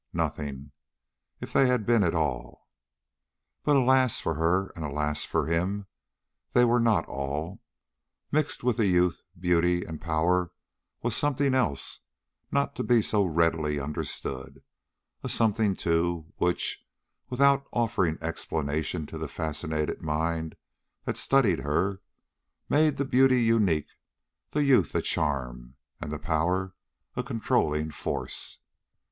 Nothing, if they had been all. But alas for her, and alas for him they were not all! Mixed with the youth, beauty, and power was a something else not to be so readily understood a something, too, which, without offering explanation to the fascinated mind that studied her, made the beauty unique, the youth a charm, and the power a controlling force.